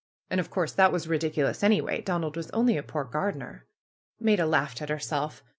And of course that was ridiculous anyway. Donald was only a poor gardener. Maida laughed at herself.